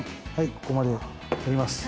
ここまでやります。